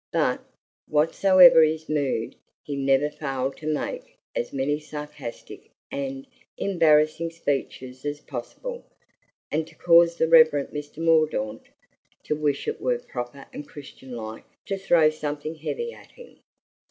But, whatsoever his mood, he never failed to make as many sarcastic and embarrassing speeches as possible, and to cause the Reverend Mr. Mordaunt to wish it were proper and Christian like to throw something heavy at him.